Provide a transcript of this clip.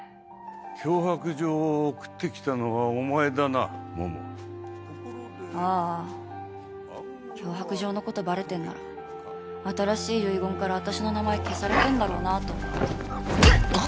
脅迫状を送って来たのはお前ああ脅迫状のことバレてんなら新しい遺言から私の名前消されてんだろうなと思って。